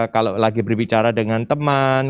kalau lagi berbicara dengan teman